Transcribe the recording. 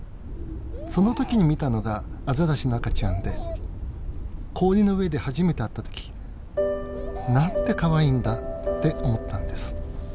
その時に見たのがアザラシの赤ちゃんで氷の上で初めて会った時「なんてかわいいんだ」って思ったんです。